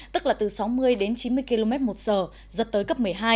tức là từ sáu mươi đến chín mươi km một giờ giật tới cấp một mươi hai